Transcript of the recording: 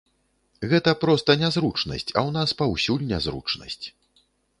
Гэта проста нязручнасць, а ў нас паўсюль нязручнасць.